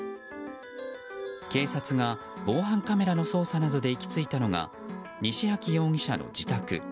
警察が防犯カメラの捜査などで行き着いたのが西秋容疑者の自宅。